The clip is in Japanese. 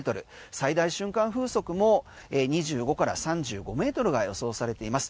最大瞬間風速も２５から３５ｍが予想されています。